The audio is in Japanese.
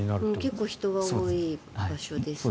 結構人が多い場所ですね。